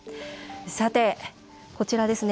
さて、こちらですね